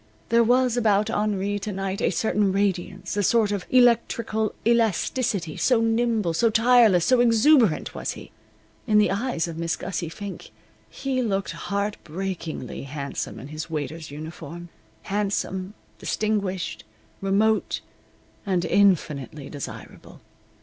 There was about Henri to night a certain radiance, a sort of electrical elasticity, so nimble, so tireless, so exuberant was he. In the eyes of Miss Gussie Fink he looked heartbreakingly handsome in his waiter's uniform handsome, distinguished, remote, and infinitely desirable.